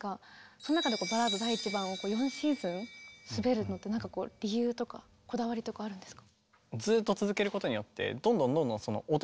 その中で「バラード第１番」を４シーズン滑るのって理由とかこだわりとかあるんですか？